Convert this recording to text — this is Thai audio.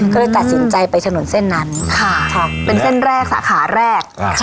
ก็เลยตัดสินใจไปถนนเส้นนั้นเป็นเส้นแรกสาขาแรก